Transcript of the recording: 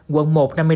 quận một năm mươi tám